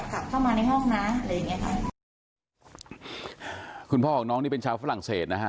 กลับเข้ามาในห้องนะอะไรอย่างเงี้ค่ะคุณพ่อของน้องนี่เป็นชาวฝรั่งเศสนะฮะ